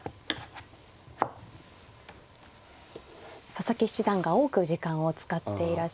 佐々木七段が多く時間を使っていらっしゃいます。